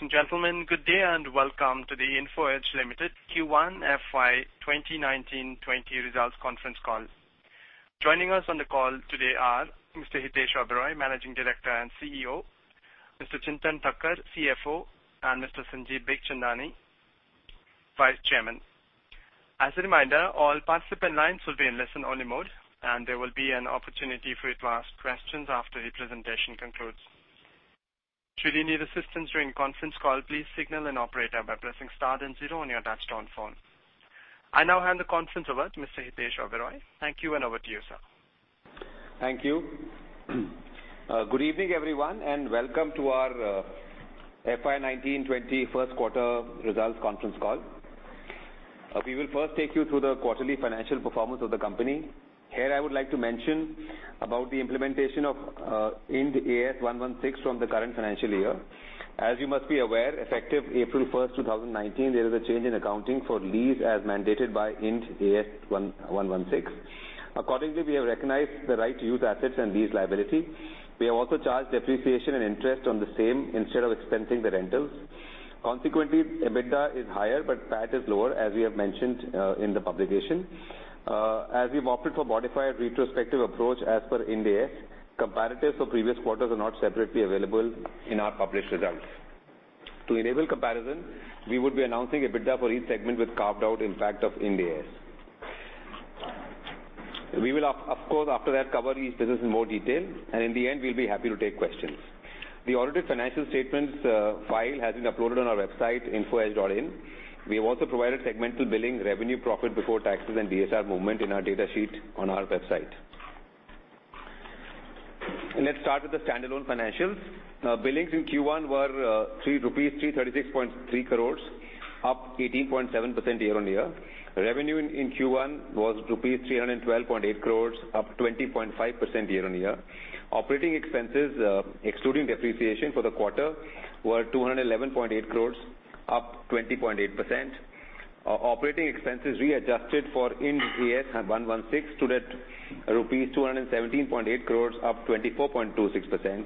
Ladies and gentlemen, good day and welcome to the Info Edge Limited Q1 FY 2019-20 results conference call. Joining us on the call today are Mr. Hitesh Oberoi, Managing Director and CEO, Mr. Chintan Thakkar, CFO, and Mr. Sanjeev Bikhchandani, Vice Chairman. As a reminder, all participant lines will be in listen-only mode, and there will be an opportunity for you to ask questions after the presentation concludes. Should you need assistance during the conference call, please signal an operator by pressing star and zero on your touchtone phone. I now hand the conference over to Mr. Hitesh Oberoi. Thank you, and over to you, sir. Thank you. Good evening, everyone, and welcome to our FY 2019-20 first quarter results conference call. We will first take you through the quarterly financial performance of the company. Here, I would like to mention about the implementation of Ind AS 116 from the current financial year. As you must be aware, effective April 1st, 2019, there is a change in accounting for lease as mandated by Ind AS 116. Accordingly, we have recognized the right to use assets and lease liability. We have also charged depreciation and interest on the same instead of expensing the rentals. Consequently, EBITDA is higher but PAT is lower, as we have mentioned in the publication. As we've opted for modified retrospective approach as per Ind AS, comparatives for previous quarters are not separately available in our published results. To enable comparison, we would be announcing EBITDA for each segment with carved-out impact of Ind AS. We will, of course, after that, cover each business in more detail, and in the end, we'll be happy to take questions. The audited financial statements file has been uploaded on our website, infoedge.in. We have also provided segmental billing revenue profit before taxes and DSR movement in our data sheet on our website. Let's start with the standalone financials. Billings in Q1 were rupees 336.3 crores, up 18.7% year-on-year. Revenue in Q1 was rupees 312.8 crores, up 20.5% year-on-year. Operating expenses, excluding depreciation for the quarter, were 211.8 crores, up 20.8%. Operating expenses readjusted for Ind AS 116 stood at INR 217.8 crores, up 24.26%.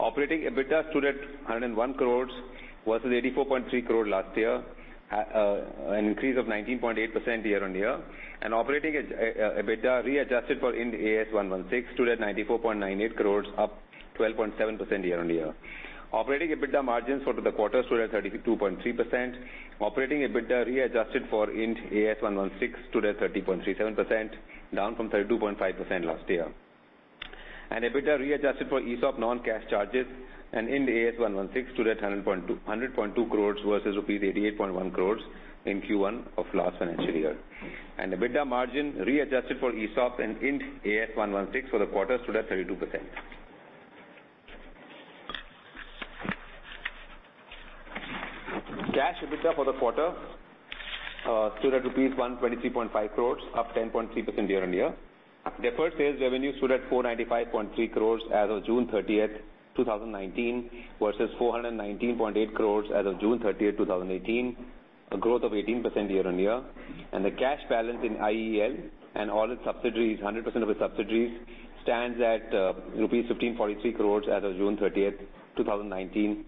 Operating EBITDA stood at INR 101 crores versus INR 84.3 crore last year, an increase of 19.8% year-on-year. Operating EBITDA readjusted for Ind AS 116 stood at 94.98 crore, up 12.7% year-on-year. Operating EBITDA margins for the quarter stood at 32.3%. Operating EBITDA readjusted for Ind AS 116 stood at 30.37%, down from 32.5% last year. EBITDA readjusted for ESOP non-cash charges and Ind AS 116 stood at 100.2 crore versus rupees 88.1 crore in Q1 of last financial year. EBITDA margin readjusted for ESOP and Ind AS 116 for the quarter stood at 32%. Cash EBITDA for the quarter stood at rupees 123.5 crore, up 10.3% year-on-year. Deferred sales revenue stood at 495.3 crore as of June 30th, 2019, versus 419.8 crore as of June 30th, 2018, a growth of 18% year-on-year. The cash balance in IEL and all its subsidiaries, 100% of its subsidiaries, stands at rupees 1,543 crore as of June 30th, 2019.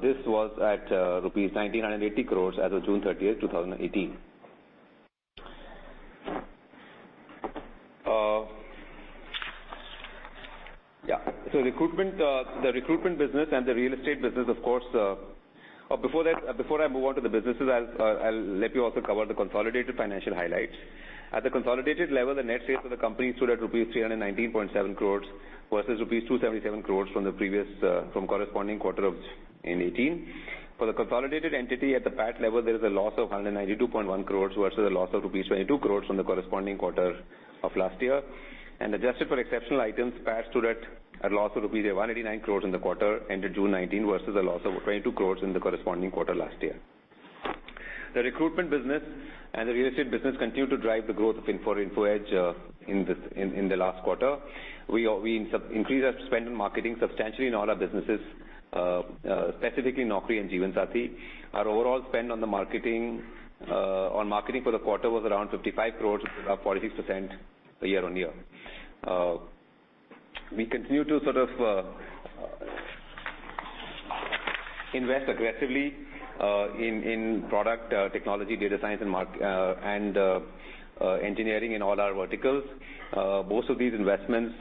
This was at rupees 1,980 crore as of June 30th, 2018. The recruitment business and the real estate business, of course. Before I move on to the businesses, I'll let you also cover the consolidated financial highlights. At the consolidated level, the net sales for the company stood at rupees 319.7 crores versus rupees 277 crores from corresponding quarter in 2018. For the consolidated entity at the PAT level, there is a loss of 192.1 crores versus a loss of rupees 22 crores from the corresponding quarter of last year. Adjusted for exceptional items, PAT stood at a loss of INR 189 crores in the quarter ended June 2019 versus a loss of 22 crores in the corresponding quarter last year. The recruitment business and the real estate business continued to drive the growth of Info Edge in the last quarter. We increased our spend on marketing substantially in all our businesses, specifically Naukri and Jeevansathi. Our overall spend on marketing for the quarter was around 55 crores, up 46% year-on-year. We continue to sort of invest aggressively in product technology, data science and engineering in all our verticals. Both of these investments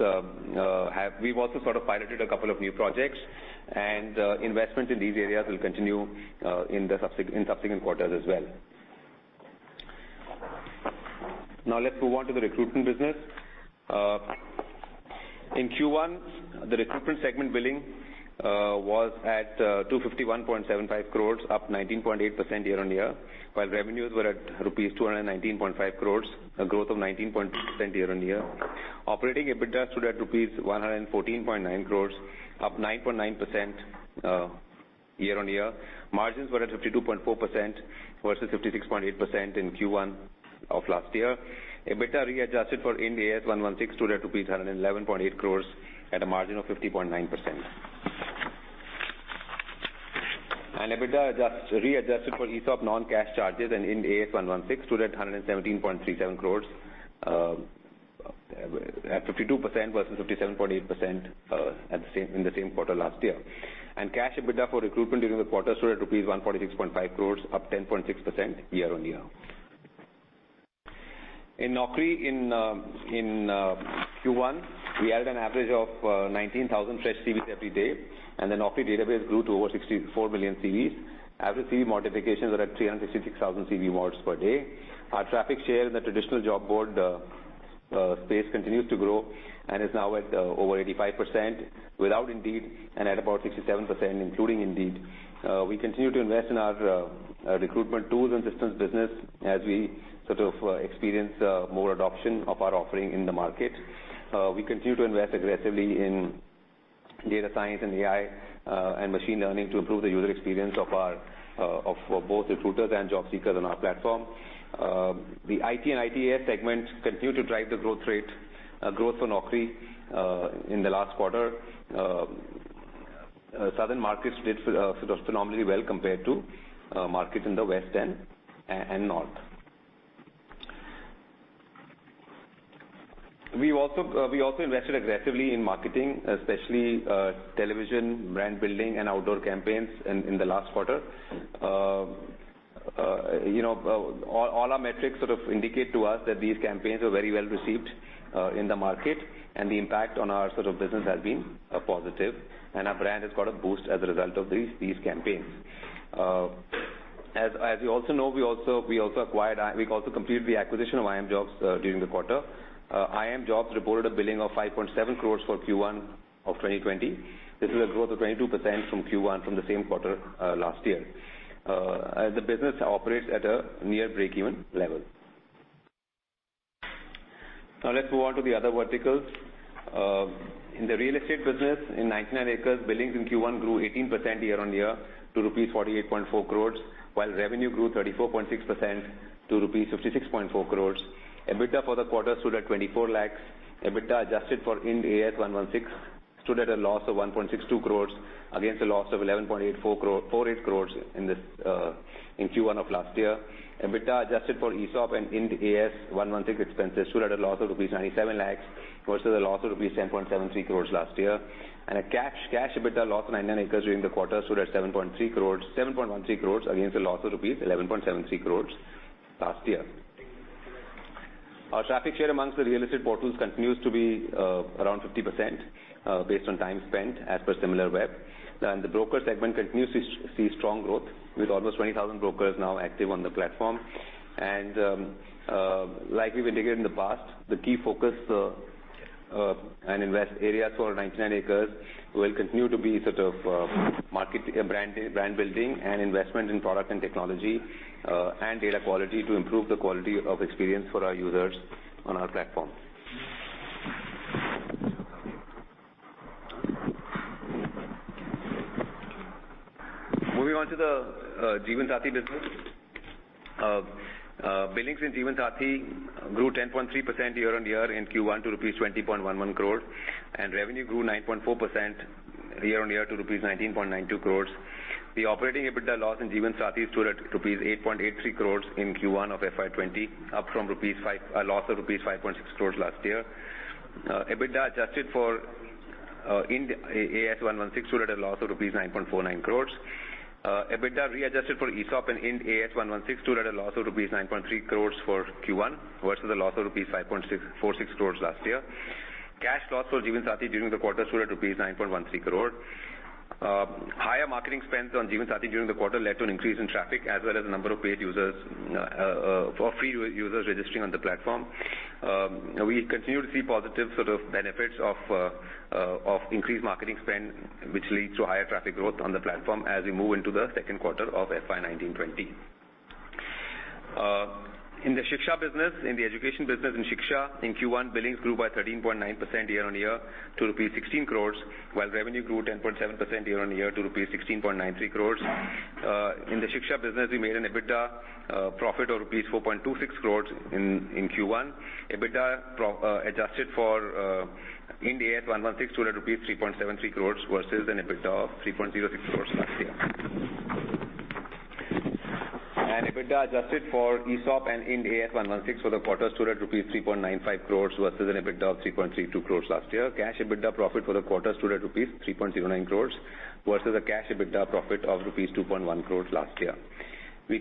We've also sort of piloted a couple of new projects, and investment in these areas will continue in subsequent quarters as well. Let's move on to the recruitment business. In Q1, the recruitment segment billing was at 251.75 crores, up 19.8% year-on-year, while revenues were at rupees 219.5 crores, a growth of 19.2% year-on-year. Operating EBITDA stood at rupees 114.9 crores, up 9.9% year-on-year. Margins were at 52.4% versus 56.8% in Q1 of last year. EBITDA readjusted for Ind AS 116 stood at 211.8 crores at a margin of 50.9%. EBITDA readjusted for ESOP non-cash charges and Ind AS 116 stood at 117.37 crores at 52% versus 57.8% in the same quarter last year. Cash EBITDA for recruitment during the quarter stood at rupees 146.5 crores, up 10.6% year-on-year. In Naukri, in Q1, we added an average of 19,000 fresh CVs every day, and the Naukri database grew to over 64 million CVs. Average CV modifications were at 366,000 CV mods per day. Our traffic share in the traditional job board space continues to grow and is now at over 85% without Indeed, and at about 67% including Indeed. We continue to invest in our recruitment tools and systems business as we sort of experience more adoption of our offering in the market. We continue to invest aggressively in data science and AI, and machine learning to improve the user experience of both recruiters and job seekers on our platform. The IT and ITeS segments continue to drive the growth rate growth for Naukri in the last quarter. Southern markets did phenomenally well compared to markets in the west and north. We also invested aggressively in marketing, especially television, brand building, and outdoor campaigns in the last quarter. All our metrics sort of indicate to us that these campaigns were very well received in the market, and the impact on our business has been positive, and our brand has got a boost as a result of these campaigns. As you also know, we also completed the acquisition of iimjobs during the quarter. iimjobs reported a billing of 5.7 crores for Q1 of 2020. This is a growth of 22% from Q1 from the same quarter last year. The business operates at a near break-even level. Let's move on to the other verticals. In the real estate business, in 99acres, billings in Q1 grew 18% year-on-year to rupees 48.4 crores, while revenue grew 34.6% to rupees 56.4 crores. EBITDA for the quarter stood at 24 lakhs. EBITDA adjusted for Ind AS 116 stood at a loss of 1.62 crores against a loss of 11.48 crores in Q1 of last year. EBITDA adjusted for ESOP and Ind AS 116 expenses stood at a loss of INR 97 lakhs versus a loss of INR 10.73 crores last year. A cash EBITDA loss in 99acres during the quarter stood at 7.13 crores against a loss of INR 11.73 crores last year. Our traffic share amongst the real estate portals continues to be around 50% based on time spent as per Similarweb. The broker segment continues to see strong growth, with almost 20,000 brokers now active on the platform. Like we've indicated in the past, the key focus and invest areas for 99acres will continue to be sort of marketing and brand building and investment in product and technology, and data quality to improve the quality of experience for our users on our platform. Moving on to the Jeevansathi business. Billings in Jeevansathi grew 10.3% year-on-year in Q1 to rupees 20.11 crore, and revenue grew 9.4% year-on-year to rupees 19.92 crores. The operating EBITDA loss in Jeevansathi stood at rupees 8.83 crores in Q1 of FY 2020, up from a loss of rupees 5.6 crores last year. EBITDA adjusted for Ind AS 116 stood at a loss of rupees 9.49 crore. EBITDA readjusted for ESOP and Ind AS 116 stood at a loss of rupees 9.3 crore for Q1, versus a loss of rupees 5.46 crore last year. Cash loss for Jeevan Saathi during the quarter stood at rupees 9.13 crore. Higher marketing spends on Jeevan Saathi during the quarter led to an increase in traffic as well as the number of paid users or free users registering on the platform. We continue to see positive sort of benefits of increased marketing spend, which leads to higher traffic growth on the platform as we move into the second quarter of FY 2019-20. In the Shiksha business, in the education business, in Shiksha, in Q1, billings grew by 13.9% year-on-year to rupees 16 crore, while revenue grew 10.7% year-on-year to rupees 16.93 crore. In the Shiksha business, we made an EBITDA profit of rupees 4.26 crores in Q1. EBITDA adjusted for Ind AS 116 stood at 3.73 crores versus an EBITDA of 3.06 crores last year. EBITDA adjusted for ESOP and Ind AS 116 for the quarter stood at rupees 3.95 crores versus an EBITDA of 3.32 crores last year. Cash EBITDA profit for the quarter stood at rupees 3.09 crores versus a cash EBITDA profit of rupees 2.1 crores last year. We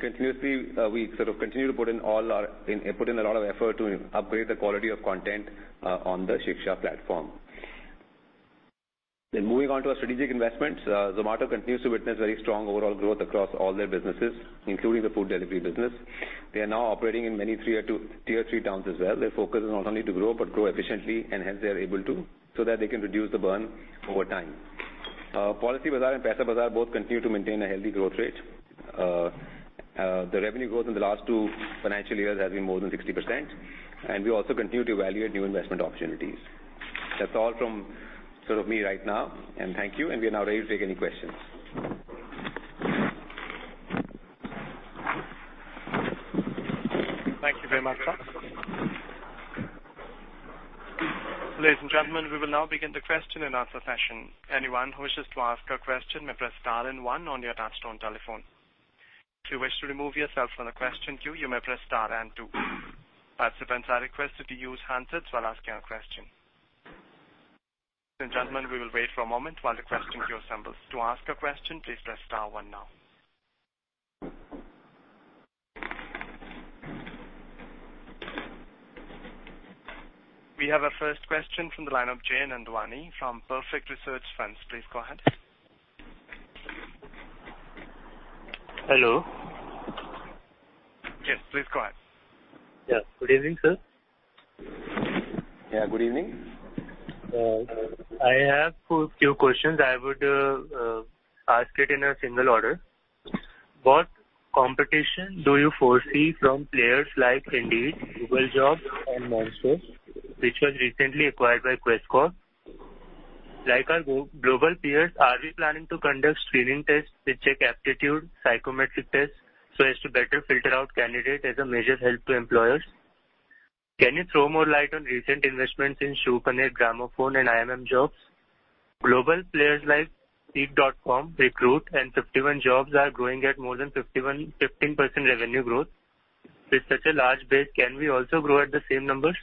sort of continue to put in a lot of effort to upgrade the quality of content on the Shiksha platform. Moving on to our strategic investments. Zomato continues to witness very strong overall growth across all their businesses, including the food delivery business. They are now operating in many tier 3 towns as well. Their focus is not only to grow but grow efficiently and hence they are able to, so that they can reduce the burn over time. Policybazaar and Paisabazaar both continue to maintain a healthy growth rate. The revenue growth in the last two financial years has been more than 60%, and we also continue to evaluate new investment opportunities. That's all from me right now, and thank you, and we are now ready to take any questions. Thank you very much. Ladies and gentlemen, we will now begin the question and answer session. Anyone who wishes to ask a question may press star and one on your touch-tone telephone. If you wish to remove yourself from the question queue, you may press star and two. Participants are requested to use handsets while asking a question. Ladies and gentlemen, we will wait for a moment while the question queue assembles. To ask a question, please press star one now. We have our first question from the line of Jay Nandwani from Perfect Research France. Please go ahead. Hello. Yes, please go ahead. Yeah. Good evening, sir. Yeah, good evening. I have a few questions. I would ask it in a single order. What competition do you foresee from players like Indeed, Google Jobs and Monster, which was recently acquired by Quess Corp? Like our global peers, are we planning to conduct screening tests to check aptitude, psychometric tests, so as to better filter out candidates as a major help to employers? Can you throw more light on recent investments in ShoeKonnect, Gramophone and iimjobs? Global players like seek.com, Recruit and 51job are growing at more than 15% revenue growth. With such a large base, can we also grow at the same numbers?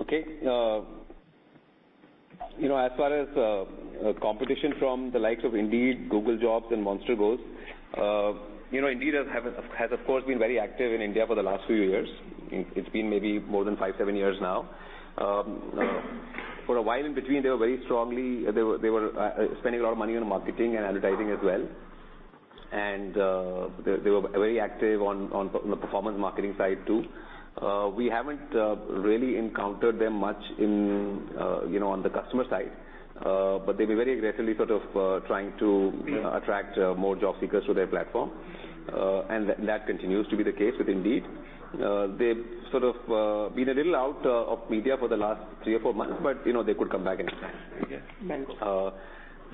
Okay. As far as competition from the likes of Indeed, Google Jobs, and Monster goes, Indeed has of course, been very active in India for the last few years. It's been maybe more than five, seven years now. For a while, in between, they were very strongly spending a lot of money on marketing and advertising as well. They were very active on the performance marketing side, too. We haven't really encountered them much on the customer side. They've been very aggressively trying to attract more job seekers to their platform. That continues to be the case with Indeed. They've sort of been a little out of media for the last three or four months, but they could come back anytime. Yes.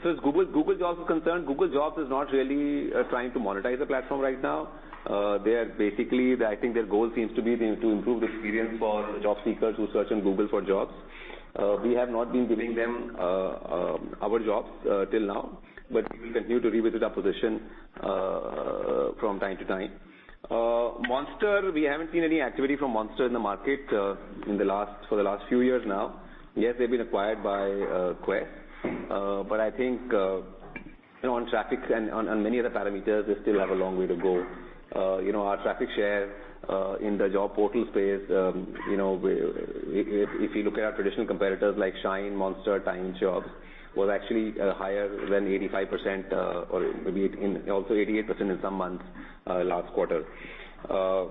As Google for Jobs is concerned, Google for Jobs is not really trying to monetize a platform right now. I think their goal seems to be to improve the experience for job seekers who search on Google for jobs. We have not been giving them our jobs till now, but we will continue to revisit our position from time to time. Monster.com, we haven't seen any activity from Monster.com in the market for the last few years now. Yes, they've been acquired by Quess Corp. I think on traffic and on many other parameters, they still have a long way to go. Our traffic share in the job portal space if you look at our traditional competitors like Shine.com, Monster.com, TimesJobs, was actually higher than 85% or maybe also 88% in some months last quarter. As far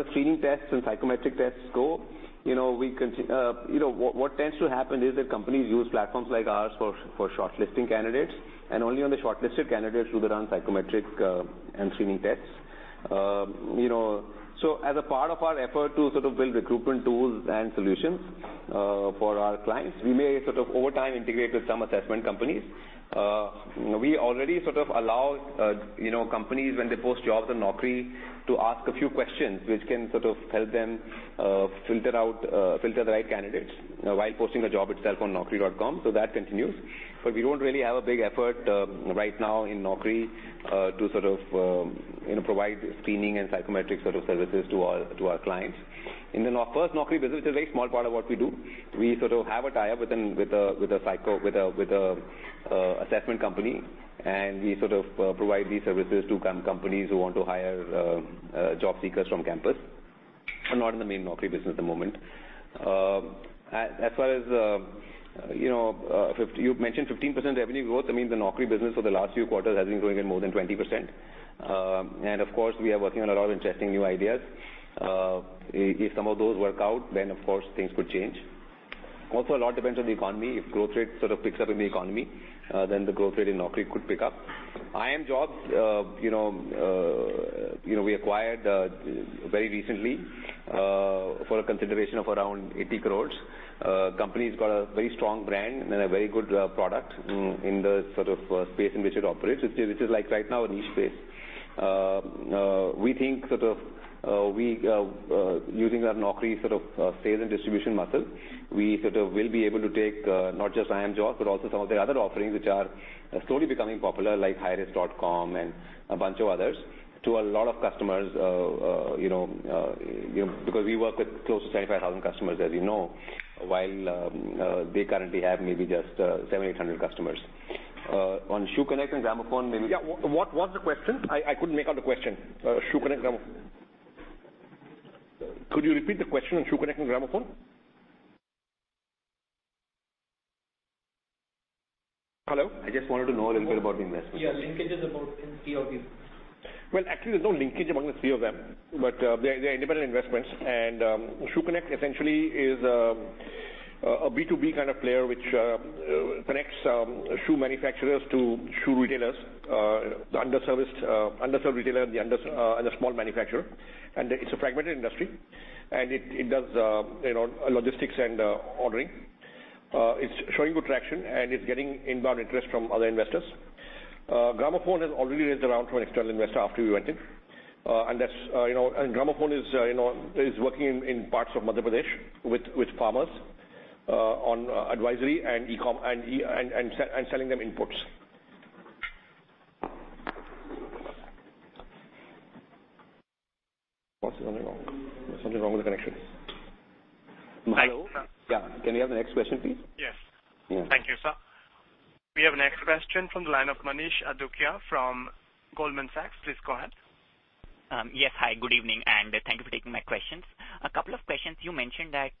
as screening tests and psychometric tests go, what tends to happen is that companies use platforms like ours for shortlisting candidates and only on the shortlisted candidates do they run psychometric and screening tests. As a part of our effort to sort of build recruitment tools and solutions for our clients, we may over time integrate with some assessment companies. We already allow companies, when they post jobs on Naukri, to ask a few questions, which can help them filter the right candidates while posting a job itself on naukri.com, so that continues. We don't really have a big effort right now in Naukri to provide screening and psychometric sort of services to our clients. In the first Naukri business, it's a very small part of what we do. We have a tie-up with an assessment company, and we provide these services to companies who want to hire job seekers from campus, but not in the main Naukri business at the moment. As far as you mentioned, 15% revenue growth, I mean, the Naukri business for the last few quarters has been growing at more than 20%. Of course, we are working on a lot of interesting new ideas. If some of those work out, then of course, things could change. Also, a lot depends on the economy. If growth rate picks up in the economy, then the growth rate in Naukri could pick up. iimjobs we acquired very recently for a consideration of around 80 crore. Company's got a very strong brand and a very good product in the space in which it operates, which is right now a niche space. We think using our Naukri sales and distribution muscle, we will be able to take not just iimjobs but also some of their other offerings, which are slowly becoming popular, like Hirist.com and a bunch of others to a lot of customers because we work with close to 75,000 customers, as you know, while they currently have maybe just 700-800 customers. Yeah. What was the question? I couldn't make out the question. ShoeKonnect, Gramophone. Could you repeat the question on ShoeKonnect and Gramophone? Hello? I just wanted to know a little bit about the investment. Yeah, linkages among the three of you. Well, actually, there's no linkage among the three of them. They are independent investments. ShoeKonnect essentially is a B2B kind of player, which connects shoe manufacturers to shoe retailers, the underserviced retailer, and the small manufacturer. It's a fragmented industry, and it does logistics and ordering. It's showing good traction, and it's getting inbound interest from other investors. Gramophone has already raised a round from an external investor after we went in. Gramophone is working in parts of Madhya Pradesh with farmers on advisory and selling them inputs. What's going on? There's something wrong with the connections. Hi, sir. Yeah. Can we have the next question, please? Yes. Yeah. Thank you, sir. We have the next question from the line of Manish Adukia from Goldman Sachs. Please go ahead. Hi, good evening, and thank you for taking my questions. A couple of questions. You mentioned that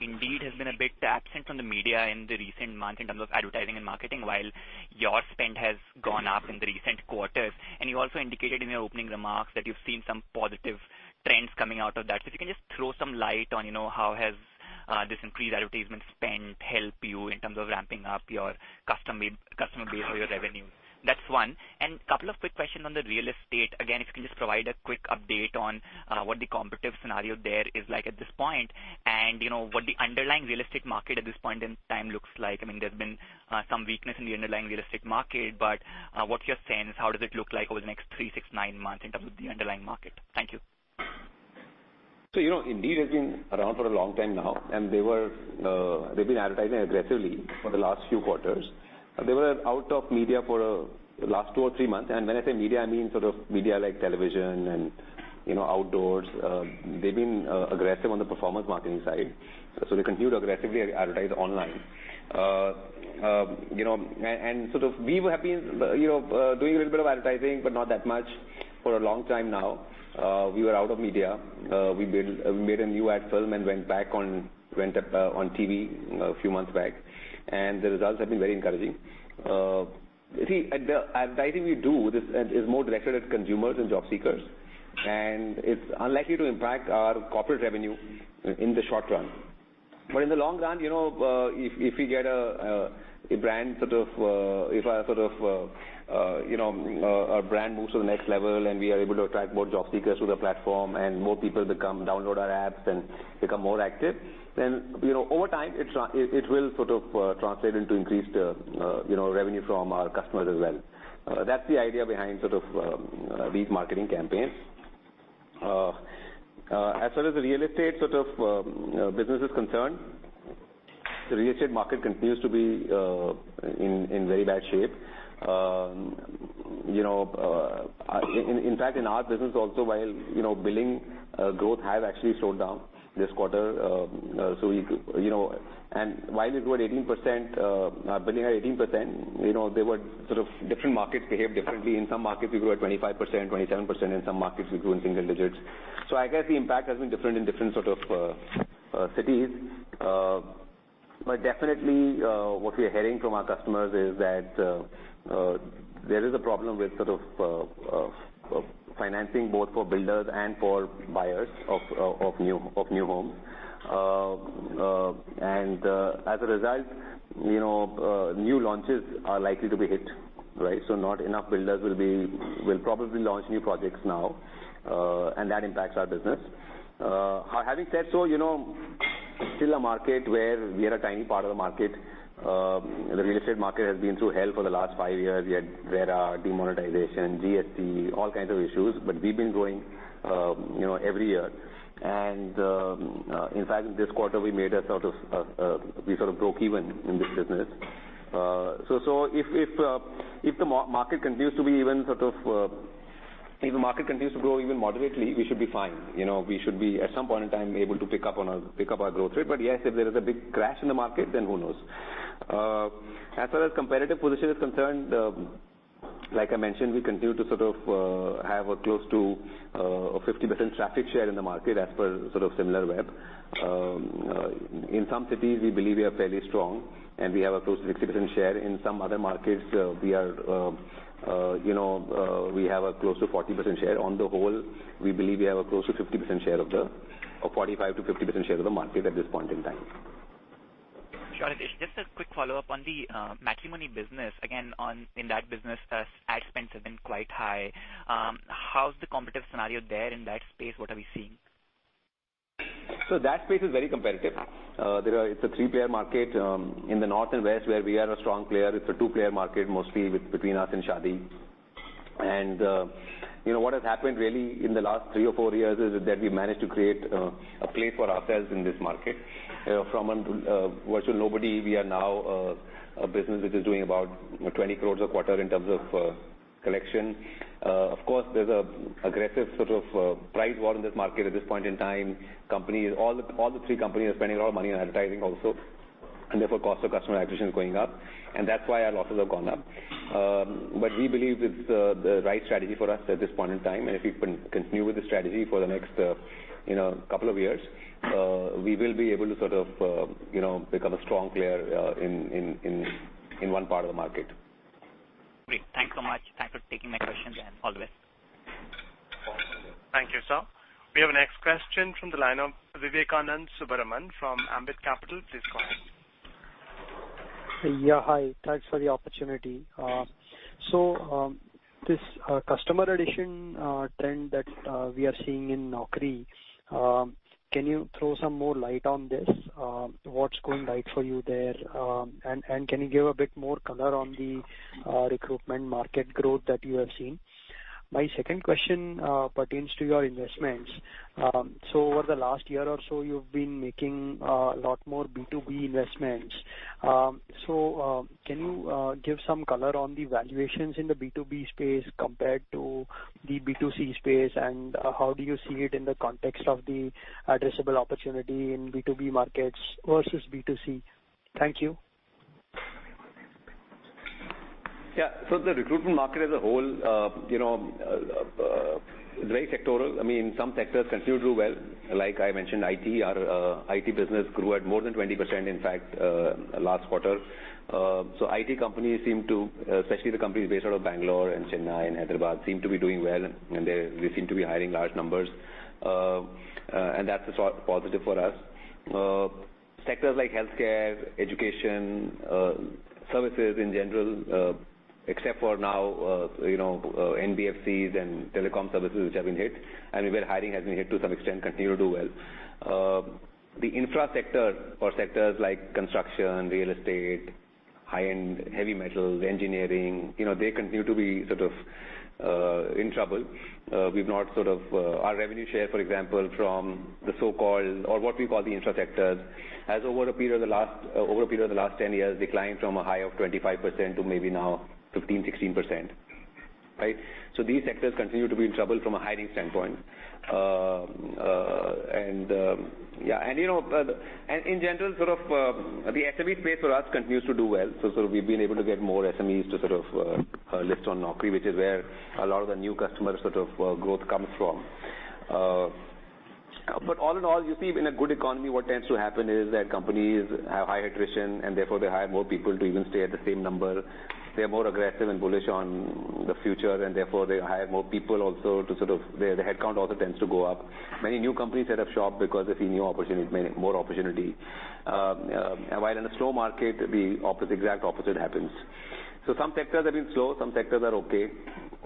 Indeed has been a bit absent from the media in the recent months in terms of advertising and marketing, while your spend has gone up in the recent quarters. You also indicated in your opening remarks that you've seen some positive trends coming out of that. If you can just throw some light on how has this increased advertisement spend helped you in terms of ramping up your customer base or your revenue. That's one. A couple of quick questions on the real estate. Again, if you can just provide a quick update on what the competitive scenario there is like at this point, and what the underlying real estate market at this point in time looks like. There's been some weakness in the underlying real estate market, but what's your sense? How does it look like over the next three, six, nine months in terms of the underlying market? Thank you. Indeed has been around for a long time now, and they've been advertising aggressively for the last few quarters. They were out of media for the last two or three months. When I say media, I mean media like television and outdoors. They've been aggressive on the performance marketing side. They continued aggressively to advertise online. We have been doing a little bit of advertising, but not that much for a long time now. We were out of media. We made a new ad film and went back on TV a few months back, and the results have been very encouraging. See, the advertising we do is more directed at consumers than job seekers, and it's unlikely to impact our corporate revenue in the short run. In the long run, if our brand moves to the next level and we are able to attract more job seekers to the platform and more people to come download our apps and become more active, then over time, it will translate into increased revenue from our customers as well. That's the idea behind these marketing campaigns. As far as the real estate business is concerned, the real estate market continues to be in very bad shape. In fact, in our business also, while billing growth has actually slowed down this quarter, while we grew at 18%, billing at 18%, different markets behave differently. In some markets, we grew at 25%, 27%, and in some markets, we grew in single digits. I guess the impact has been different in different cities. Definitely, what we are hearing from our customers is that there is a problem with financing both for builders and for buyers of new homes. As a result, new launches are likely to be hit. Not enough builders will probably launch new projects now, and that impacts our business. Having said so, it's still a market where we are a tiny part of the market. The real estate market has been through hell for the last five years. We had RERA, demonetization, GST, all kinds of issues, but we've been growing every year. In fact, in this quarter, we sort of broke even in this business. If the market continues to grow even moderately, we should be fine. We should be, at some point in time, able to pick up our growth rate. Yes, if there is a big crash in the market, then who knows? As far as competitive position is concerned, like I mentioned, we continue to have close to a 50% traffic share in the market as per Similarweb. In some cities, we believe we are fairly strong, and we have close to 60% share. In some other markets, we have close to 40% share. On the whole, we believe we have a 45%-50% share of the market at this point in time. Shashank, just a quick follow-up on the matrimony business. Again, in that business, ad spends have been quite high. How is the competitive scenario there in that space? What are we seeing? That space is very competitive. It's a 3-player market. In the north and west, where we are a strong player, it's a 2-player market, mostly between us and Shaadi.com. What has happened really in the last 3 or 4 years is that we've managed to create a place for ourselves in this market. From virtual nobody, we are now a business which is doing about 20 crores a quarter in terms of collection. Of course, there's an aggressive price war in this market at this point in time. All the 3 companies are spending a lot of money on advertising also. Therefore cost of customer acquisition is going up. That's why our losses have gone up. We believe it's the right strategy for us at this point in time. If we continue with this strategy for the next couple of years, we will be able to become a strong player in one part of the market. Great. Thanks so much. Thanks for taking my questions and all the best. Awesome. Thank you, sir. We have the next question from the line of Vivekanand Subramanian from Ambit Capital. Please go ahead. Yeah. Hi. Thanks for the opportunity. Yes. This customer addition trend that we are seeing in Naukri.com. Can you throw some more light on this? What's going right for you there? Can you give a bit more color on the recruitment market growth that you have seen? My second question pertains to your investments. Over the last year or so, you've been making a lot more B2B investments. Can you give some color on the valuations in the B2B space compared to the B2C space, and how do you see it in the context of the addressable opportunity in B2B markets versus B2C? Thank you. Yeah. The recruitment market as a whole, it's very sectoral. Some sectors continue to do well, like I mentioned, IT. Our IT business grew at more than 20%, in fact, last quarter. IT companies, especially the companies based out of Bangalore and Chennai and Hyderabad, seem to be doing well, and they seem to be hiring large numbers. That's a positive for us. Sectors like healthcare, education, services in general, except for now, NBFCs and telecom services, which have been hit, and where hiring has been hit to some extent, continue to do well. The infra sector or sectors like construction, real estate, high-end heavy metals, engineering, they continue to be sort of in trouble. Our revenue share, for example, from the so-called or what we call the infra sectors, has over a period of the last 10 years, declined from a high of 25% to maybe now 15, 16%. Right? These sectors continue to be in trouble from a hiring standpoint. Yeah, and in general, sort of the SME space for us continues to do well. We've been able to get more SMEs to sort of list on naukri.com, which is where a lot of the new customer sort of growth comes from. All in all, you see in a good economy, what tends to happen is that companies have high attrition and therefore they hire more people to even stay at the same number. They're more aggressive and bullish on the future, and therefore, they hire more people also. Their headcount also tends to go up. Many new companies set up shop because they see more opportunity. In a slow market, the exact opposite happens. Some sectors have been slow, some sectors are okay.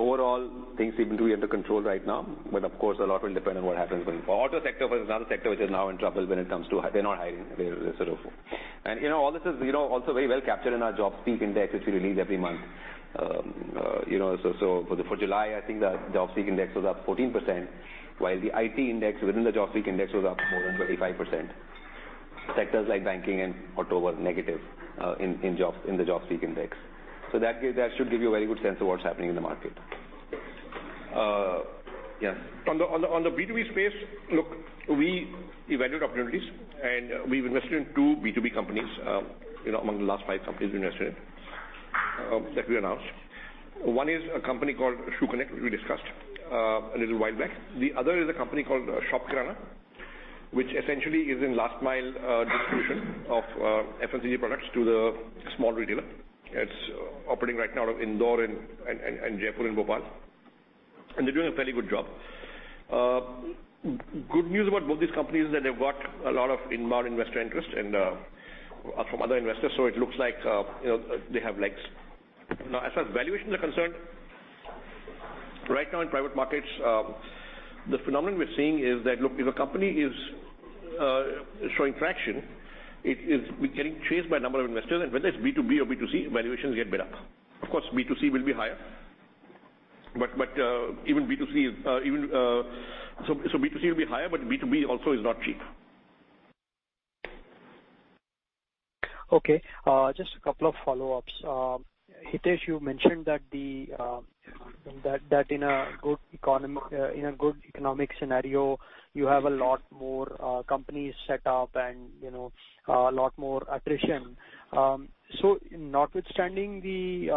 Overall, things seem to be under control right now. Of course, a lot will depend on what happens going forward. Auto sector was another sector which is now in trouble when it comes to hiring. They're not hiring. All this is also very well captured in our Naukri.com JobSpeak Index, which we release every month. For July, I think the Naukri.com JobSpeak Index was up 14%, while the IT index within the Naukri.com JobSpeak Index was up more than 25%. Sectors like banking and auto were negative in the Naukri.com JobSpeak Index. That should give you a very good sense of what's happening in the market. Yeah. On the B2B space, look, we evaluate opportunities, and we've invested in two B2B companies among the last five companies we invested in that we announced. One is a company called ShoeKonnect, which we discussed a little while back. The other is a company called ShopKirana, which essentially is in last-mile distribution of FMCG products to the small retailer. It's operating right now out of Indore and Jaipur and Bhopal, and they're doing a fairly good job. Good news about both these companies is that they've got a lot of inbound investor interest and from other investors, so it looks like they have legs. As far as valuations are concerned, right now in private markets, the phenomenon we're seeing is that, look, if a company is showing traction, it is getting chased by a number of investors, and whether it's B2B or B2C, valuations get better. Of course, B2C will be higher. B2C will be higher, but B2B also is not cheap. Okay. Just a couple of follow-ups. Hitesh, you mentioned that in a good economic scenario, you have a lot more companies set up and a lot more attrition. Notwithstanding the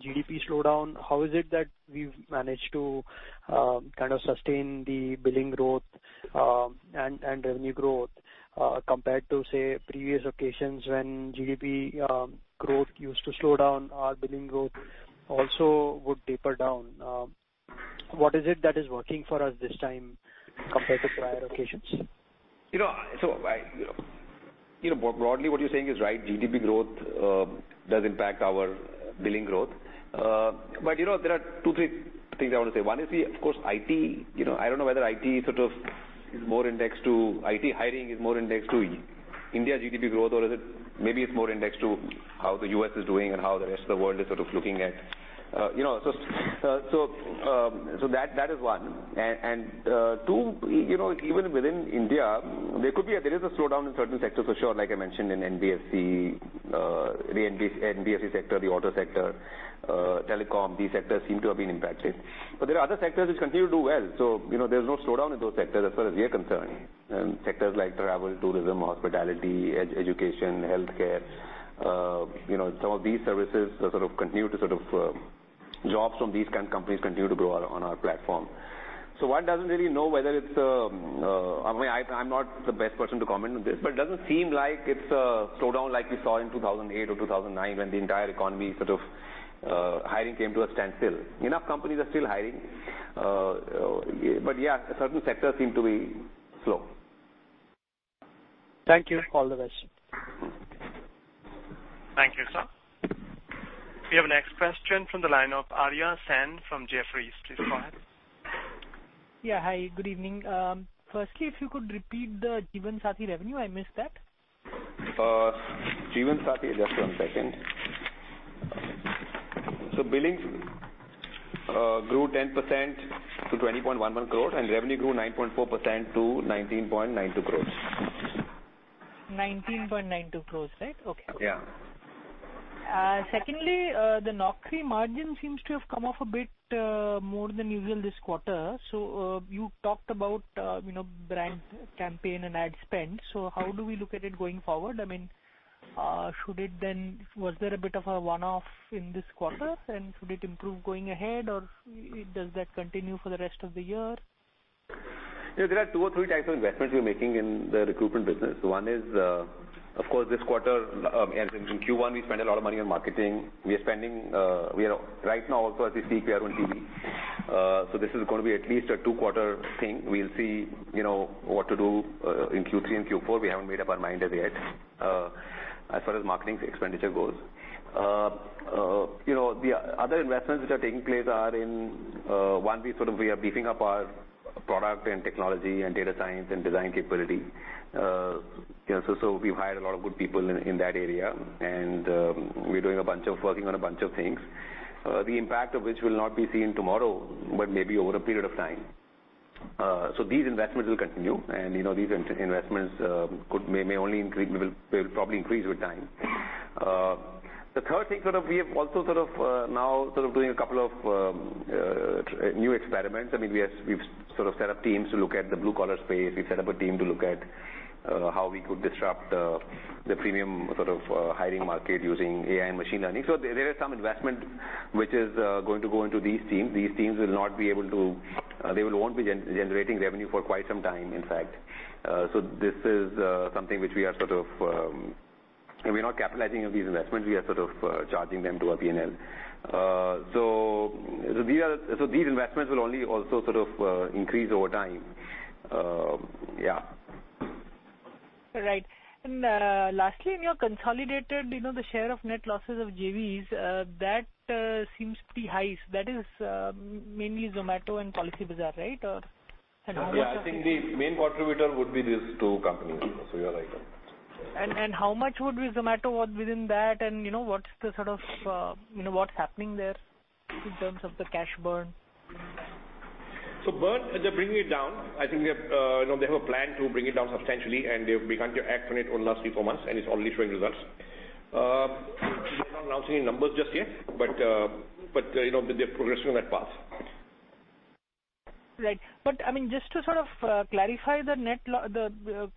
GDP slowdown, how is it that we've managed to kind of sustain the billing growth and revenue growth? Compared to, say, previous occasions when GDP growth used to slow down, our billing growth also would taper down. What is it that is working for us this time compared to prior occasions? Broadly what you're saying is right. GDP growth does impact our billing growth. There are two, three things I want to say. One is, of course, IT. I don't know whether IT hiring is more indexed to India's GDP growth, or maybe it's more indexed to how the U.S. is doing and how the rest of the world is sort of looking at. That is one. Two, even within India, there is a slowdown in certain sectors for sure, like I mentioned in NBFC, the NBFC sector, the auto sector, telecom. These sectors seem to have been impacted. There are other sectors which continue to do well. There's no slowdown in those sectors as far as we are concerned. Sectors like travel, tourism, hospitality, education, healthcare. Some of these Jobs from these kind of companies continue to grow on our platform. One doesn't really know. I'm not the best person to comment on this, but it doesn't seem like it's a slowdown like we saw in 2008 or 2009 when the entire economy sort of hiring came to a standstill. Enough companies are still hiring. Yeah, certain sectors seem to be slow. Thank you. All the best. Thank you, sir. We have a next question from the line of Arya Sen from Jefferies. Please go ahead. Yeah. Hi, good evening. Firstly, if you could repeat the Jeevansathi revenue, I missed that. Jeevansathi, just one second. Billings grew 10% to 20.11 crores, and revenue grew 9.4% to 19.92 crores. 19.92 crores, right? Okay. Yeah. Secondly, the Naukri.com margin seems to have come off a bit more than usual this quarter. You talked about brand campaign and ad spend. How do we look at it going forward? Was there a bit of a one-off in this quarter and could it improve going ahead, or does that continue for the rest of the year? There are 2 or 3 types of investments we're making in the recruitment business. One is, of course, this quarter, as in Q1, we spent a lot of money on marketing. We are spending right now also, as we speak, we are on TV. This is going to be at least a two-quarter thing. We'll see what to do in Q3 and Q4. We haven't made up our mind as yet, as far as marketing expenditure goes. The other investments which are taking place are in one, we are beefing up our product and technology and data science and design capability. We've hired a lot of good people in that area, and we're working on a bunch of things, the impact of which will not be seen tomorrow, but maybe over a period of time. These investments will continue, and these investments will probably increase with time. The third thing, we have also now sort of doing a couple of new experiments. We've set up teams to look at the blue-collar space. We've set up a team to look at how we could disrupt the premium hiring market using AI and machine learning. There is some investment which is going to go into these teams. These teams won't be generating revenue for quite some time, in fact. This is something which we are not capitalizing on these investments. We are charging them to our P&L. These investments will only also increase over time. Yeah. Right. Lastly, in your consolidated, the share of net losses of JVs, that seems to be highest. That is mainly Zomato and Policybazaar, right? Yeah, I think the main contributor would be these two companies. You're right. How much would be Zomato within that, and what's happening there in terms of the cash burn? Burn, they're bringing it down. I think they have a plan to bring it down substantially, and they've begun to act on it over the last three, four months, and it's already showing results. They've not announced any numbers just yet, but they're progressing on that path. Right. Just to sort of clarify the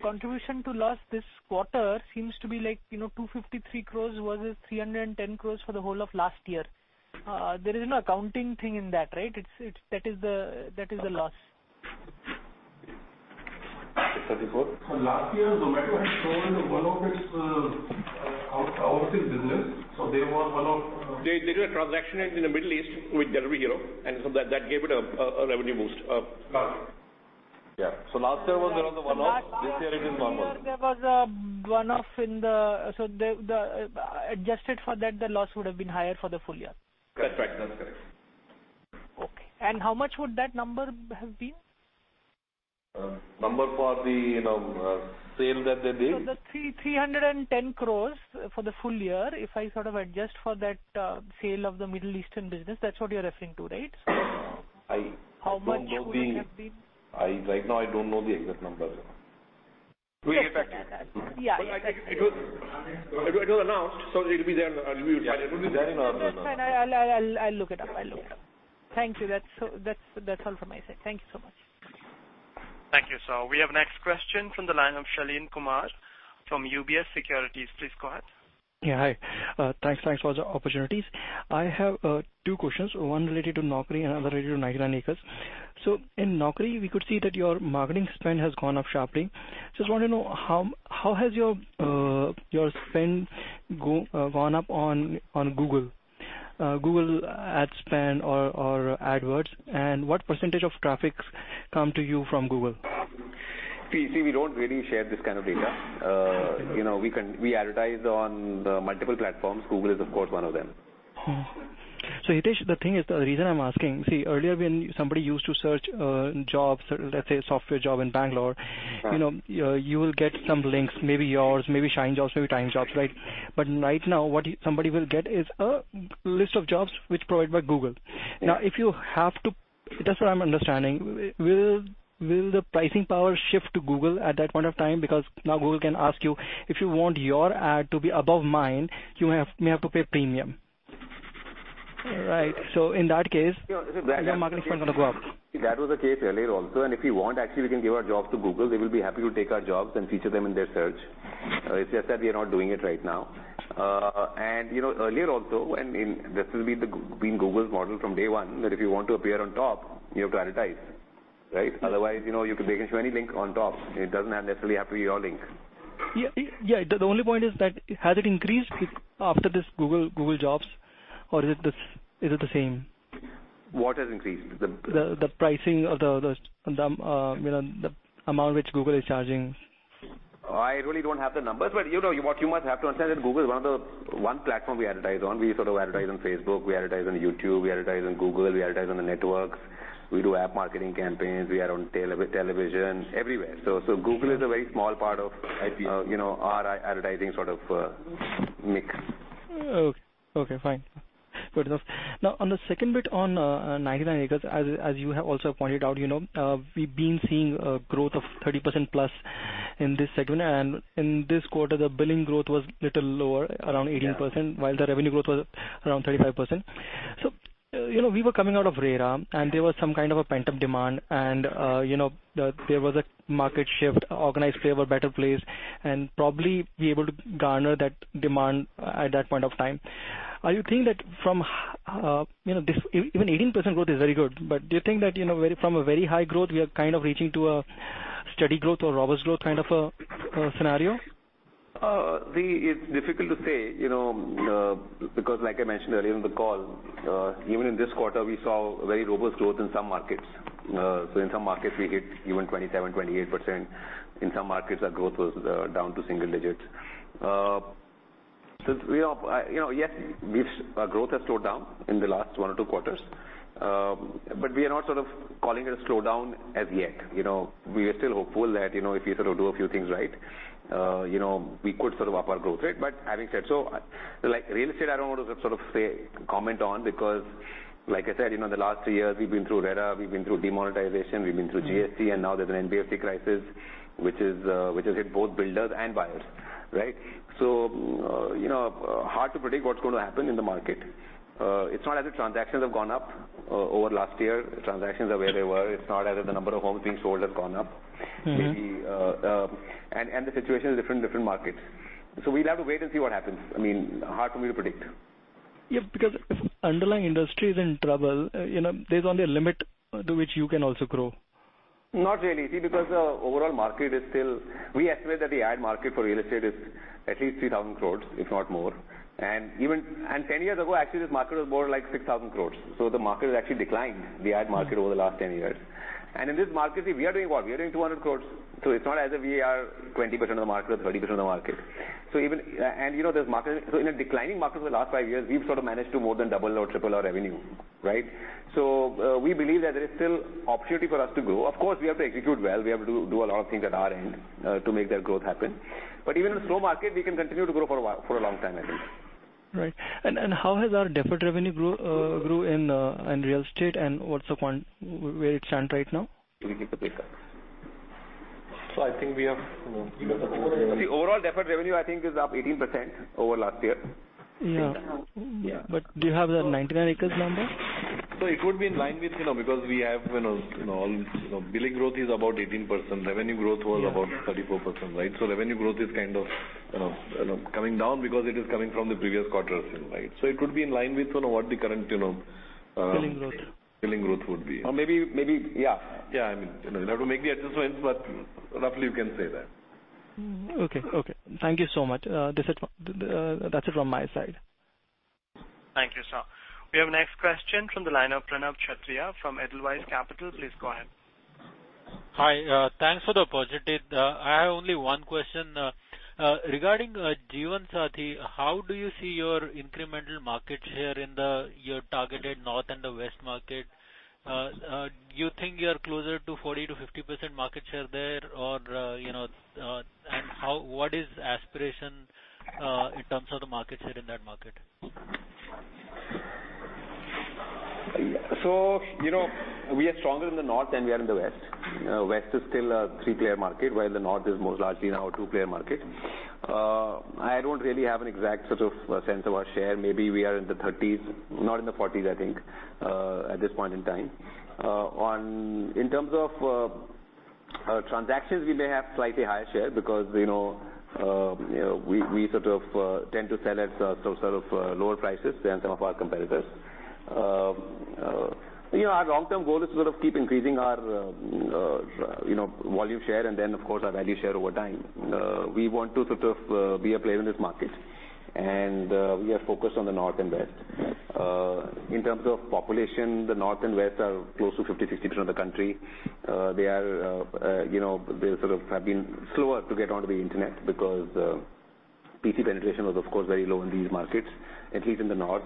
contribution to loss this quarter seems to be 253 crores versus 310 crores for the whole of last year. There is no accounting thing in that, right? That is the loss. 334? Last year, Zomato had sold one of its outstation business. They did a transaction in the Middle East with Delivery Hero, and so that gave it a revenue boost. Last year. Yeah. last year was one of the one-off. This year it is normal. Last year there was a one-off, so adjusted for that, the loss would have been higher for the full year. Correct. That's correct. Okay. How much would that number have been? Number for the sale that they did? The 310 crores for the full year, if I sort of adjust for that sale of the Middle Eastern business, that's what you're referring to, right? I don't know. How much would it have been? Right now I don't know the exact numbers. We'll get back to you. Yeah. It was announced, so it'll be there in the annual results. It will be there in our annual results. That's fine. I'll look it up. Thank you. That's all from my side. Thank you so much. Thank you, sir. We have next question from the line of Shaleen Kumar from UBS Securities. Please go ahead. Yeah. Hi. Thanks for the opportunities. I have two questions, one related to Naukri.com and another related to 99acres. In Naukri.com, we could see that your marketing spend has gone up sharply. Just want to know how has your spend gone up on Google ad spend or adverts, and what percentage of traffic come to you from Google? We don't really share this kind of data. We advertise on multiple platforms. Google is, of course, one of them. Hitesh, the thing is, the reason I'm asking, see, earlier when somebody used to search jobs, let's say a software job in Bangalore, you will get some links, maybe yours, maybe Shine.com jobs, maybe TimesJobs, right? Right now, what somebody will get is a list of jobs which are provided by Google. That's what I'm understanding. Will the pricing power shift to Google at that point of time? Now Google can ask you if you want your ad to be above mine, you may have to pay premium, right? In that case, your marketing spend is going to go up. That was the case earlier also. If we want, actually, we can give our jobs to Google. They will be happy to take our jobs and feature them in their search. It's just that we are not doing it right now. Earlier also, and this will be Google's model from day one, that if you want to appear on top, you have to advertise, right? Otherwise, you could make it to any link on top. It doesn't necessarily have to be your link. Yeah. The only point is that has it increased after this Google Jobs, or is it the same? What has increased? The pricing of the amount which Google is charging. I really don't have the numbers. What you must have to understand is Google is one platform we advertise on. We sort of advertise on Facebook, we advertise on YouTube, we advertise on Google, we advertise on the networks, we do app marketing campaigns, we are on television, everywhere. Google is a very small part of our advertising mix. Okay, fine. Good enough. On the second bit on 99acres, as you have also pointed out, we've been seeing a growth of 30% plus in this segment, and in this quarter, the billing growth was a little lower, around 18%. Yeah while the revenue growth was around 35%. We were coming out of RERA, and there was some kind of a pent-up demand, and there was a market shift, organized player, better place, and probably be able to garner that demand at that point of time. Even 18% growth is very good. Do you think that from a very high growth, we are kind of reaching to a steady growth or robust growth kind of a scenario? It's difficult to say, because like I mentioned earlier in the call, even in this quarter, we saw very robust growth in some markets. In some markets, we hit even 27%, 28%. In some markets, our growth was down to single digits. Yes, our growth has slowed down in the last one or two quarters, but we are not calling it a slowdown as yet. We are still hopeful that, if you sort of do a few things right, we could up our growth rate. Having said so, like real estate, I don't want to sort of comment on, because like I said, in the last three years, we've been through RERA, we've been through demonetization, we've been through GST, and now there's an NBFC crisis, which has hit both builders and buyers. Right? Hard to predict what's going to happen in the market. It's not as if transactions have gone up over last year. Transactions are where they were. It's not as if the number of homes being sold has gone up. The situation is different in different markets. We'll have to wait and see what happens. I mean, hard for me to predict. Yeah, if underlying industry is in trouble, there's only a limit to which you can also grow. Not really. We estimate that the ad market for real estate is at least 3,000 crore, if not more. 10 years ago, actually, this market was more like 6,000 crore. The market has actually declined, the ad market, over the last 10 years. In this market, we are doing what? We are doing 200 crore. It's not as if we are 20% of the market or 30% of the market. In a declining market for the last five years, we've sort of managed to more than double or triple our revenue. Right? We believe that there is still opportunity for us to grow. Of course, we have to execute well. We have to do a lot of things at our end to make that growth happen. Even in a slow market, we can continue to grow for a long time, I think. Right. How has our deferred revenue grew in real estate, and where it stand right now? Let me get the breakout. I think we. The overall deferred revenue, I think, is up 18% over last year. Yeah. Yeah. Do you have the 99acres number? It would be in line with, because billing growth is about 18%, revenue growth was about 34%, right? Revenue growth is kind of coming down because it is coming from the previous quarters. It could be in line with what the current- Billing growth billing growth would be. Maybe, yeah. Yeah. You have to make the adjustments, but roughly you can say that. Okay. Thank you so much. That's it from my side. Thank you, sir. We have next question from the line of Pranav Kshatriya from Edelweiss Capital. Please go ahead. Hi. Thanks for the opportunity. I have only one question. Regarding Jeevansathi, how do you see your incremental market share in your targeted north and the west market? Do you think you're closer to 40%-50% market share there, and what is aspiration in terms of the market share in that market? We are stronger in the north than we are in the west. West is still a three-player market, while the north is more largely now a two-player market. I don't really have an exact sort of sense of our share. Maybe we are in the 30s, not in the 40s, I think, at this point in time. In terms of transactions, we may have slightly higher share because we sort of tend to sell at some sort of lower prices than some of our competitors. Our long-term goal is to sort of keep increasing our volume share, and then, of course, our value share over time. We want to sort of be a player in this market. We are focused on the north and west. Right. In terms of population, the north and west are close to 50%-60% of the country. They sort of have been slower to get onto the internet because PC penetration was, of course, very low in these markets, at least in the north.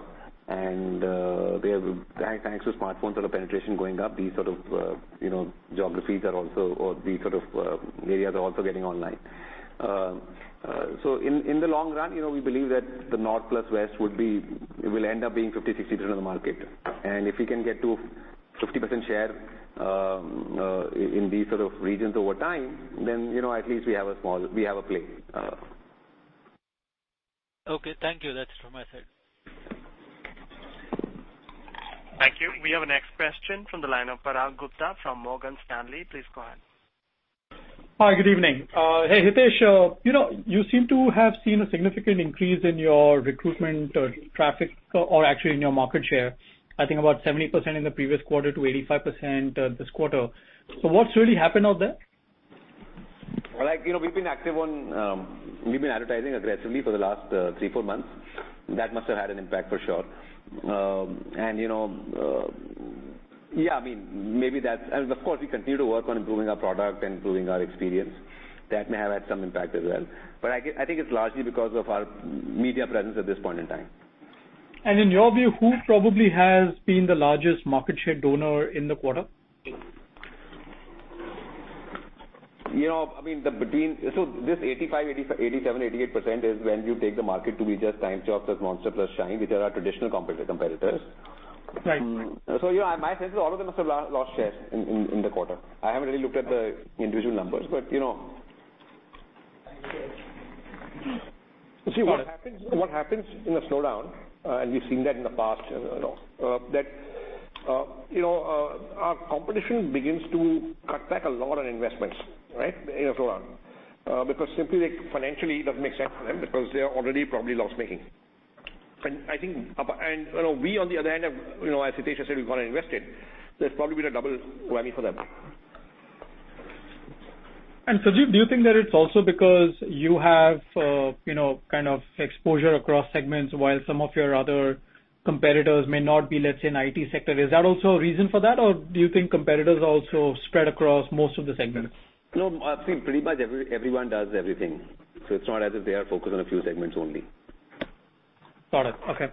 Thanks to smartphone penetration going up, these sort of geographies are also, or these sort of areas are also getting online. In the long run, we believe that the north plus west will end up being 50%-60% of the market. If we can get to 50% share in these sort of regions over time, then at least we have a play. Okay, thank you. That's it from my side. Thank you. We have a next question from the line of Parag Gupta from Morgan Stanley. Please go ahead. Hi, good evening. Hey, Hitesh. You seem to have seen a significant increase in your recruitment traffic or actually in your market share. I think about 70% in the previous quarter to 85% this quarter. What's really happened out there? We've been advertising aggressively for the last three, four months. That must have had an impact, for sure. Of course, we continue to work on improving our product and improving our experience. That may have had some impact as well. I think it's largely because of our media presence at this point in time. In your view, who probably has been the largest market share donor in the quarter? This 85, 87, 88% is when you take the market to be just TimesJobs plus Monster plus Shine, which are our traditional competitors. Right. My sense is all of them have lost shares in the quarter. I haven't really looked at the individual numbers. What happens in a slowdown, and we've seen that in the past, our competition begins to cut back a lot on investments, right? In a slowdown. Simply, financially, it doesn't make sense for them because they are already probably loss-making. We, on the other hand, as Hitesh has said, we've gone and invested. It's probably been a double whammy for them. Sanjeev, do you think that it's also because you have kind of exposure across segments while some of your other competitors may not be, let's say, in IT sector? Is that also a reason for that, or do you think competitors are also spread across most of the segments? No, I think pretty much everyone does everything. It's not as if they are focused on a few segments only. Got it. Okay.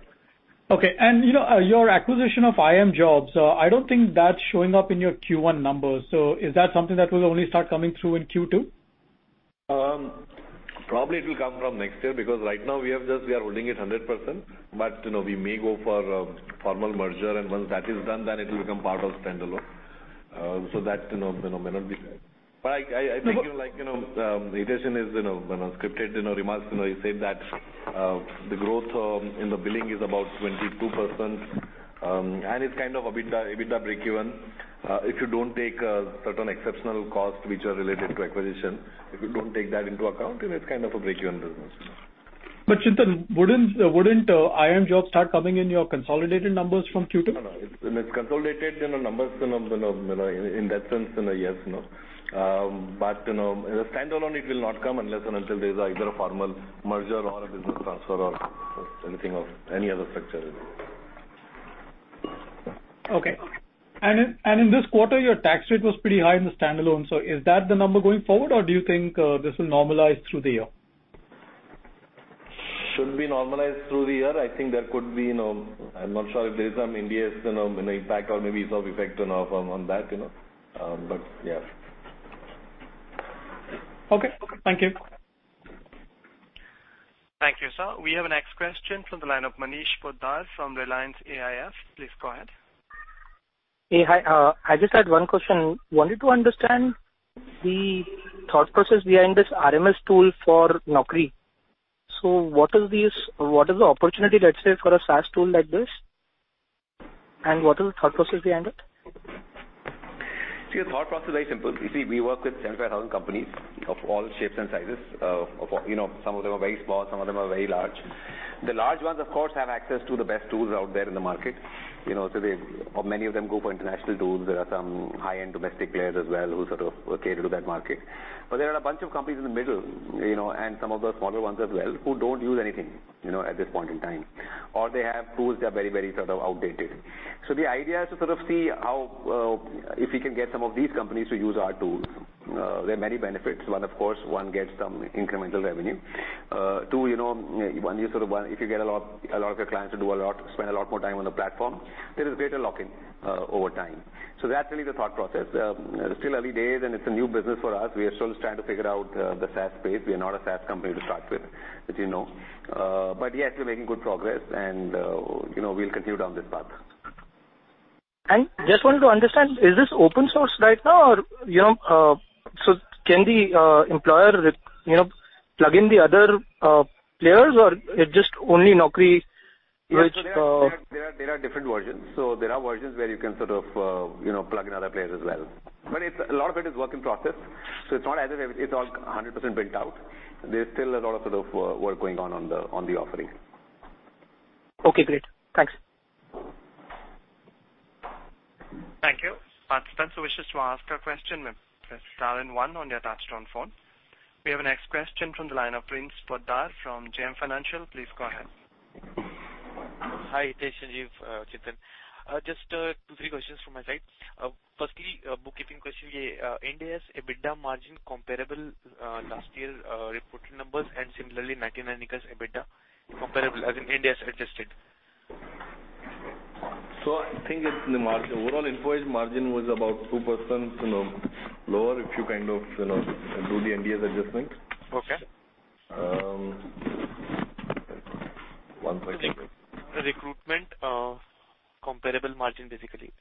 Your acquisition of iimjobs, I don't think that's showing up in your Q1 numbers. Is that something that will only start coming through in Q2? Probably it will come from next year, because right now we are holding it 100%. We may go for a formal merger, and once that is done, then it will become part of standalone. That may not be there. I think Hitesh in his scripted remarks said that the growth in the billing is about 22%, and it's kind of EBITDA breakeven if you don't take certain exceptional costs which are related to acquisition. If you don't take that into account, then it's kind of a breakeven business. Chintan, wouldn't iimjobs start coming in your consolidated numbers from Q2? No, no. It's consolidated in the numbers in that sense, yes. In the standalone, it will not come unless and until there's either a formal merger or a business transfer or anything of any other structure. Okay. In this quarter, your tax rate was pretty high in the standalone. Is that the number going forward, or do you think this will normalize through the year? Should be normalized through the year. I'm not sure if there is some Ind AS impact or maybe its effect on that. Yeah. Okay. Thank you. Thank you, sir. We have a next question from the line of Manish Poddar from Reliance AIF. Please go ahead. Hey. Hi. I just had one question. I wanted to understand the thought process behind this RMS tool for Naukri. What is the opportunity, let's say, for a SaaS tool like this, and what is the thought process behind it? The thought process is very simple. We work with 75,000 companies of all shapes and sizes. Some of them are very small, some of them are very large. The large ones, of course, have access to the best tools out there in the market. Many of them go for international tools. There are some high-end domestic players as well who sort of cater to that market. There are a bunch of companies in the middle, and some of the smaller ones as well, who don't use anything at this point in time, or their tools are very outdated. The idea is to sort of see if we can get some of these companies to use our tools. There are many benefits. One, of course, one gets some incremental revenue. Two, if you get a lot of your clients to do a lot, spend a lot more time on the platform, there is greater locking over time. That's really the thought process. It's still early days and it's a new business for us. We are still trying to figure out the SaaS space. We are not a SaaS company to start with, as you know. Yes, we're making good progress and we'll continue down this path. Just wanted to understand, is this open source right now? Can the employer plug in the other players or it just only Naukri.com? There are different versions. There are versions where you can sort of plug in other players as well. A lot of it is work in process. It's not as if it's all 100% built out. There's still a lot of work going on the offering. Okay, great. Thanks. Thank you. Participant who wishes to ask a question may press star and one on their touch-tone phone. We have a next question from the line of Prince Poddar from JM Financial. Please go ahead. Hi, Hitesh, Sanjeev, Chintan. Just two, three questions from my side. Firstly, a bookkeeping question. Ind AS EBITDA margin comparable last year reported numbers and similarly, 1990 EBITDA comparable as in Ind AS adjusted. I think the overall Info Edge margin was about 2% lower if you kind of do the Ind AS adjustments. Okay. One second. The recruitment comparable margin, basically.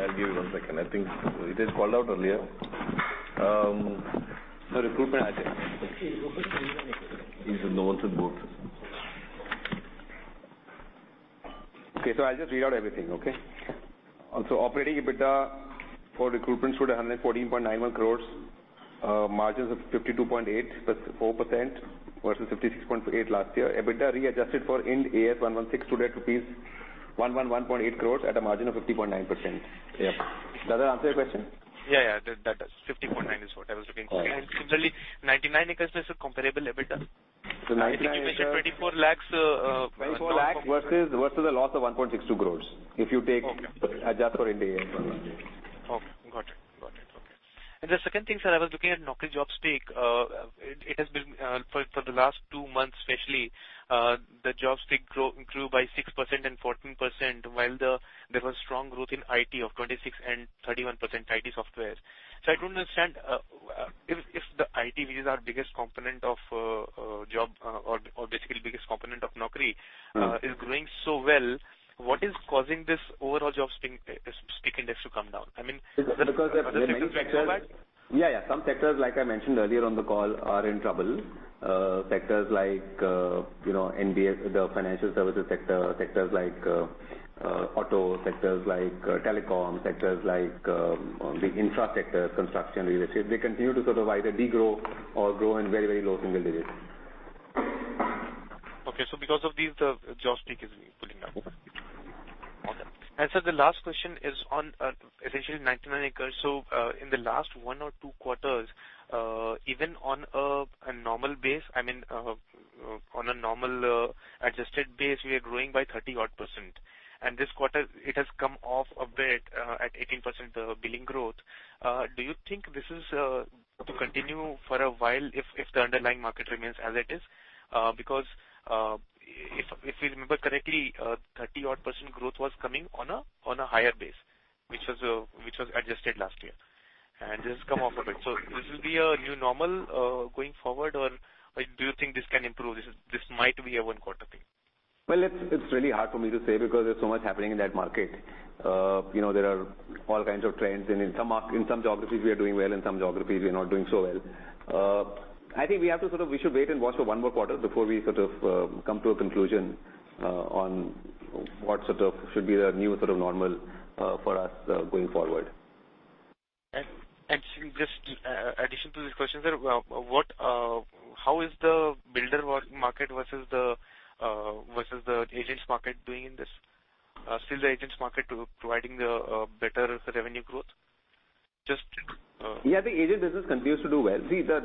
I'll give you one second. I think Hitesh called out earlier. No, recruitment. It's lower than both. I'll just read out everything. Operating EBITDA for recruitment stood at 114.91 crore. Margins of 52.8% versus 56.8% last year. EBITDA readjusted for Ind AS 116 stood at rupees 111.8 crore at a margin of 50.9%. Yeah. Does that answer your question? Yeah. That does. 50.9 is what I was looking for. All right. Similarly, 99acres has a comparable EBITDA? 99acres. I think you mentioned 24 lakhs. 24 lakhs versus a loss of 1.62 crores, if you take- Okay. Adjust for India. Okay, got it. The second thing, sir, I was looking at Naukri JobSpeak Index. For the last two months especially, the JobSpeak Index grew by 6% and 14%, while there was strong growth in IT of 26% and 31% IT software. I don't understand, if the IT, which is our biggest component of job or basically biggest component of Naukri.com, is growing so well, what is causing this overall JobSpeak Index to come down? I mean. It's because there are many sectors. Are there any sectors back? Yeah. Some sectors, like I mentioned earlier on the call, are in trouble. Sectors like the financial services sector, sectors like auto, sectors like telecom, sectors like the infrastructure, construction, real estate. They continue to either de-grow or grow in very, very low single digits. Because of these, the jobs take is pulling down. The last question is on essentially 99acres. In the last one or two quarters, even on a normal basis, I mean, on a normal adjusted base, we are growing by 30-odd%. This quarter it has come off a bit at 18% billing growth. Do you think this is to continue for a while, if the underlying market remains as it is? If we remember correctly, 30-odd% growth was coming on a higher base, which was adjusted last year, this has come off of it. Will this be a new normal going forward, or do you think this can improve? This might be a one-quarter thing. Well, it's really hard for me to say because there's so much happening in that market. There are all kinds of trends, and in some geographies we are doing well, in some geographies we are not doing so well. I think we should wait and watch for one more quarter before we come to a conclusion on what should be the new normal for us going forward. Just addition to this question, sir, how is the builder market versus the agents market doing in this? Still the agents market providing the better revenue growth? Yeah, the agent business continues to do well. See, the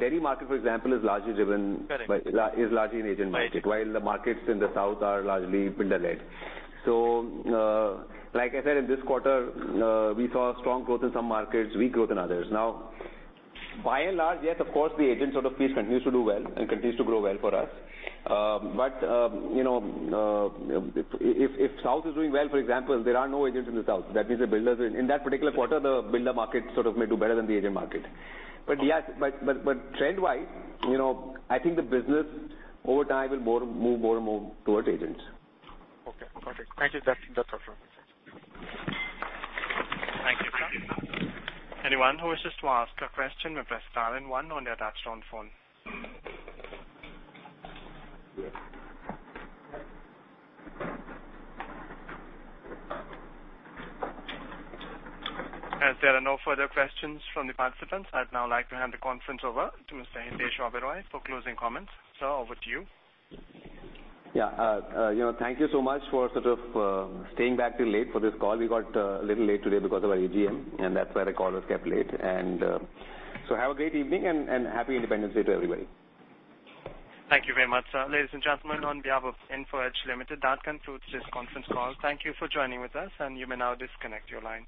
Delhi market, for example, is largely. Correct is largely an agent market. Right. While the markets in the south are largely builder-led. Like I said, in this quarter, we saw strong growth in some markets, weak growth in others. By and large, yes, of course, the agent piece continues to do well and continues to grow well for us. If south is doing well, for example, there are no agents in the south. That means in that particular quarter, the builder market may do better than the agent market. Trend-wise, I think the business over time will more and more move towards agents. Okay. Got it. Thank you. That's all from my side. Thank you. Anyone who wishes to ask a question may press star and 1 on their touch-tone phone. As there are no further questions from the participants, I'd now like to hand the conference over to Mr. Hitesh Oberoi for closing comments. Sir, over to you. Yeah. Thank you so much for staying back till late for this call. We got a little late today because of our AGM. That's why the call was kept late. Have a great evening, and Happy Independence Day to everybody. Thank you very much, sir. Ladies and gentlemen, on behalf of Info Edge Limited, that concludes this conference call. Thank you for joining us, and you may now disconnect your lines.